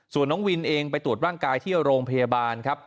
ส่วนน้องวินเองไปตรวจร่างกายที่โรงพยาบาลครับ